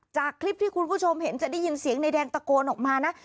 จากคลิปที่คุณผู้ชมเห็นจะได้ยินเสียงนายแดงตะโกนออกมานะ